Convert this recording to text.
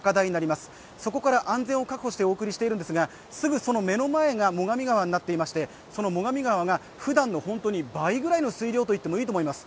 そこから安全を確保してお送りしているんですが、すぐその前が最上川になっていまして、その最上川がふだんの倍ぐらいの水量と言っていいと思います。